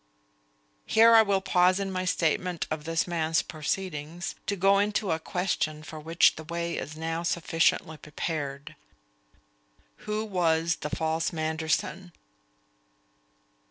Here I will pause in my statement of this man's proceedings to go into a question for which the way is now sufficiently prepared. _Who was the false Manderson?